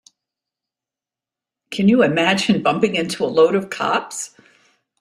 Can you imagine bumping into a load of cops?